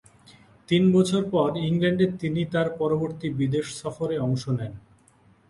তিন বছর পর ইংল্যান্ডে তিনি তার পরবর্তী বিদেশ সফরে অংশ নেন।